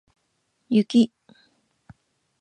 雪